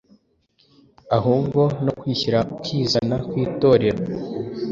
ahubwo no kwishyira ukizana kw’Itorero.